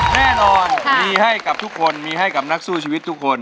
แน่นอนมีให้กับทุกคนมีให้กับนักสู้ชีวิตทุกคน